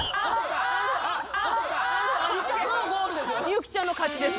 幸ちゃんの勝ちです